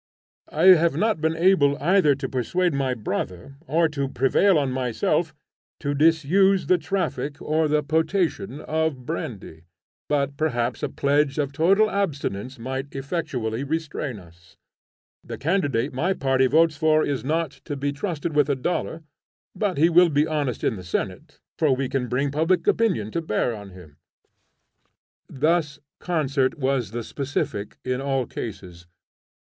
I have not been able either to persuade my brother or to prevail on myself, to disuse the traffic or the potation of brandy, but perhaps a pledge of total abstinence might effectually restrain us. The candidate my party votes for is not to be trusted with a dollar, but he will be honest in the Senate, for we can bring public opinion to bear on him. Thus concert was the specific in all cases.